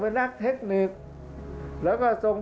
ภาคอีสานแห้งแรง